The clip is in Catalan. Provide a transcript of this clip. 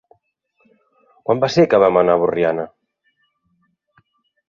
Quan va ser que vam anar a Borriana?